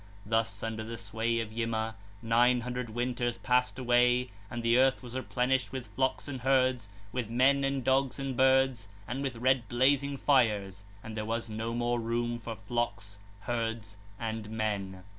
16 (26). Thus, under the sway of Yima, nine hundred winters passed away, and the earth was replenished with flocks and herds, with men and dogs and birds and with red blazing fires, and there was no more room for flocks, herds, and men.